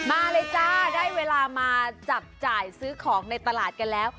มาเลยจ้าได้เวลามาจับจ่ายซื้อของในตลาดกันแล้ว